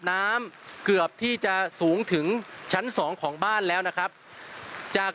น้ำเกือบที่จะสูงถึงชั้นสองของบ้านแล้วนะครับจาก